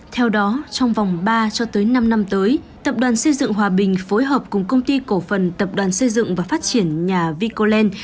theo đó trong vòng ba cho tới năm năm tới tập đoàn xây dựng hòa bình phối hợp cùng công ty cổ phần tập đoàn xây dựng và phát triển nhà vicoland